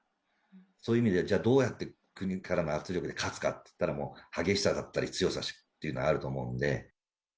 そういう意味で、じゃあどうやって国からの圧力で勝つかといったら、もう激しさだったり強さっていうのはあると思うんで。